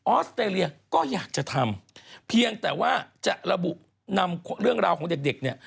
อสเตรเลียก็อยากจะทำเพียงแต่ว่าจะระบุนำเรื่องราวของเด็กเด็กเนี่ย